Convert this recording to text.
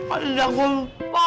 aduh gue lupa